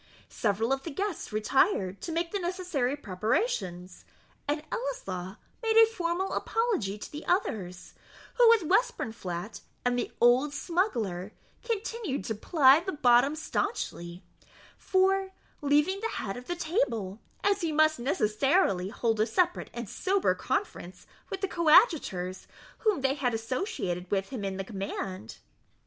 Several of the guests retired to make the necessary preparations; and Ellieslaw made a formal apology to the others, who, with Westburnflat and the old smuggler, continued to ply the bottle stanchly, for leaving the head of the table, as he must necessarily hold a separate and sober conference with the coadjutors whom they had associated with him in the command.